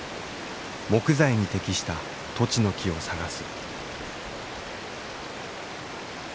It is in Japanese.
木材に適したトチの木を探す。